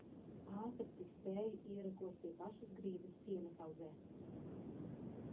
Ātri, cik spēju, ierakos pie pašas grīdas siena kaudzē.